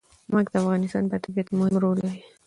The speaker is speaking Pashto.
نمک د افغانستان په طبیعت کې مهم رول لري.